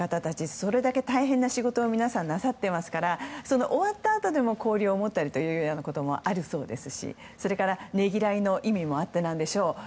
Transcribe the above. それだけ大変な仕事を皆さん、なさっていますから終わったあとでも交流を持つこともあるそうですしそれから、ねぎらいの意味もあってなんでしょう。